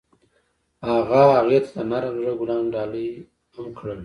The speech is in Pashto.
هغه هغې ته د نرم زړه ګلان ډالۍ هم کړل.